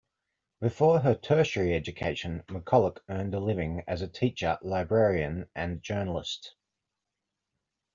Before her tertiary education, McCullough earned a living as a teacher, librarian and journalist.